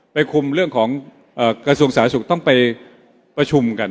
ไปคุมเรื่องของเอ่อกระทรวงสาสุกต้องไปประชุมกัน